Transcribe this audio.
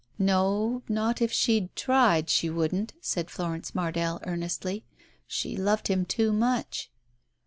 "No, not if she'd tried, she wouldn't," said Florence Mardell earnestly. "She loved him too much